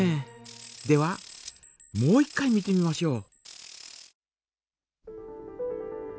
ではもう一回見てみましょう。